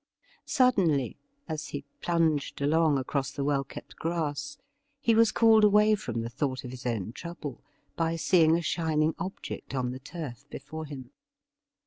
Suddenly, as he plunged along across the well kept grass, he was called away from the thought of his own trouble by seeing a shining object on the turf before him.